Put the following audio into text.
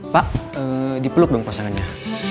pak dipeluk dong pasangannya